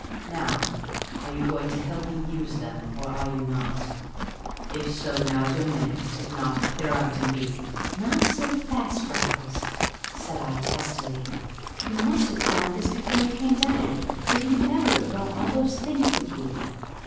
Now, are you going to help me use them, or are you not? If so, now's your minute; if not, clear out and be " "Not so fast, Raffles," said I testily. "You must have planned this before you came down, or you would never have brought all those things with you."